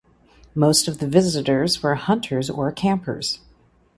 Most of the visitors were hunters or campers.